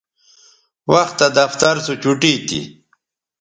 وختہ دفتر سو چوٹی تھی